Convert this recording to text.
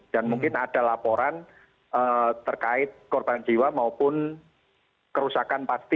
dan mungkin ada laporan terkait korban jiwa maupun kerusakan pasti